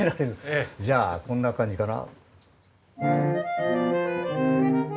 じゃあこんな感じかな？